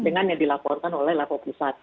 dengan yang dilaporkan oleh level pusat